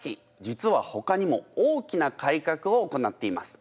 実はほかにも大きな改革を行っています。